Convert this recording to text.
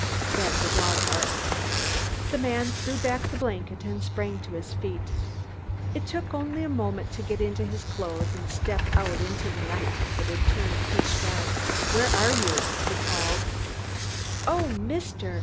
Then the dog barked. The man threw back the blanket and sprang to his feet. It took only a moment to get into his clothes and step out into a night that had turned pitch dark. "Where are you?" he called. "Oh, Mister!?"